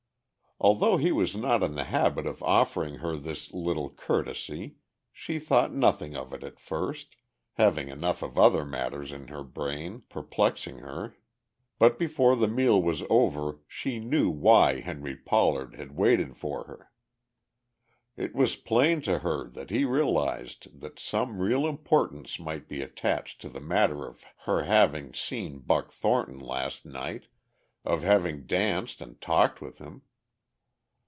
Although he was not in the habit of offering her this little courtesy, she thought nothing of it at first, having enough of other matters in her brain, perplexing her. But before the meal was over she knew why Henry Pollard had waited for her. It was plain to her that he realized that some real importance might be attached to the matter of her having seen Buck Thornton last night, of having danced and talked with him.